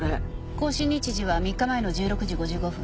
更新日時は３日前の１６時５５分。